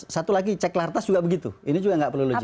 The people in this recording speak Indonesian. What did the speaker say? satu lagi cek lartas juga begitu ini juga nggak perlu logis